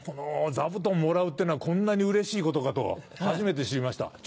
座布団もらうってのはこんなにうれしいことかと初めて知りました。